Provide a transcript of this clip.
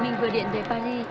mình vừa điện về ba lê